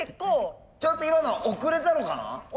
ちょっと今の遅れたのかな？